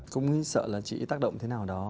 cũng sợ là chị tác động thế nào đó